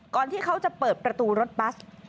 ที่เขาจะเปิดประตูรถบัส